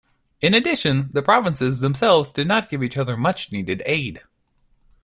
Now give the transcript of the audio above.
In addition, the provinces themselves did not give each other much-needed aid.